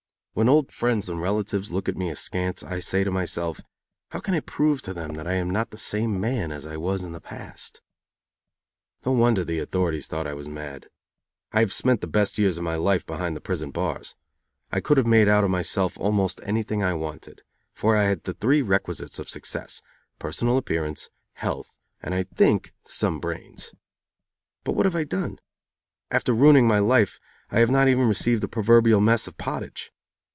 When old friends and relatives look at me askance I say to myself: "How can I prove to them that I am not the same as I was in the past?" No wonder the authorities thought I was mad. I have spent the best years of my life behind the prison bars. I could have made out of myself almost anything I wanted, for I had the three requisites of success: personal appearance, health and, I think, some brains. But what have I done? After ruining my life, I have not even received the proverbial mess of pottage.